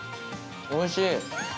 おいしい。